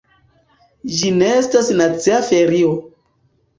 Ĝi ne estas nacia ferio.